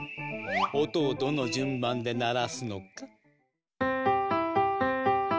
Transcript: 音をどの順番で鳴らすのか。